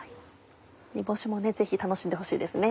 煮干しもぜひ楽しんでほしいですね。